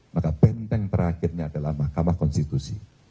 maka benteng terakhirnya adalah mahkamah konstitusi